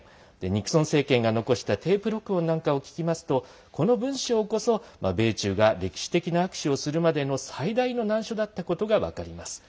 ニクソン政権が残したテープ録音なんかを聞きますとこの文章こそ米中が歴史的な握手をするまでの最大の難所だったことが分かります。